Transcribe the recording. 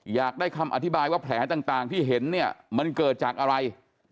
อยากได้คำอธิบายว่าแผลต่างที่เห็นเนี่ยมันเกิดจากอะไร